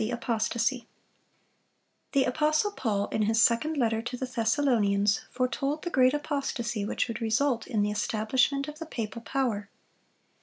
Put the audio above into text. ] The apostle Paul, in his second letter to the Thessalonians, foretold the great apostasy which would result in the establishment of the papal power.